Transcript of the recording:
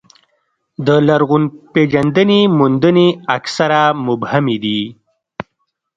د لرغونپېژندنې موندنې اکثره مبهمې دي.